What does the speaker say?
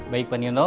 baik pak nino